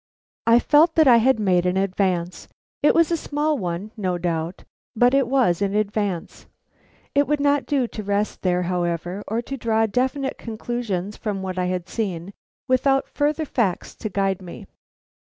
I felt that I had made an advance. It was a small one, no doubt, but it was an advance. It would not do to rest there, however, or to draw definite conclusions from what I had seen without further facts to guide me.